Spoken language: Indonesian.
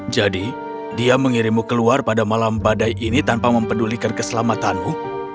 jadi dia mengirimmu keluar pada malam badai ini tanpa mempedulikan keselamatanmu